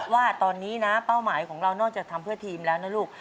ว่าตอนนี้นะเป้าหมายของเรานอกจากทำเพื่อทีมแล้วนะลูก